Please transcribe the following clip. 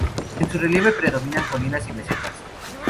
En su relieve predominan colinas y mesetas.